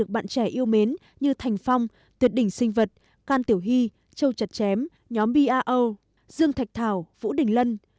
bạn trẻ yêu mến như thành phong tuyệt đỉnh sinh vật can tiểu hy châu chật chém nhóm b a o dương thạch thảo vũ đình lân